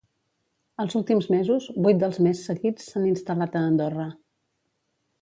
Els últims mesos, vuit dels més seguits s’han instal·lat a Andorra.